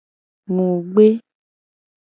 Mu gbe.